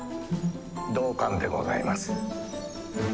同感でございます。